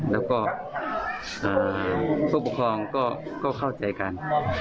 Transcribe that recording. แล้วก็ผู้ปกครองก็เข้าใจกัน